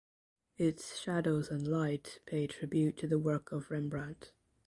Its shadows and light pay tribute to the work of Rembrandt.